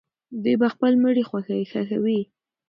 دوی به خپل مړي ښخوي.